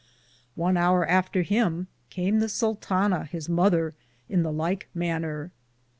One houre after him came the Sultana his mother, in the lyke maner.